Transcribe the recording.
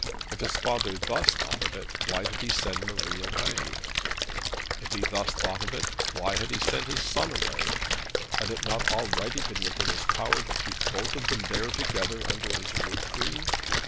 If his father thus thought of it, why did he send Marie away? If he thus thought of it, why had he sent his son away? Had it not already been within his power to keep both of them there together under his roof tree?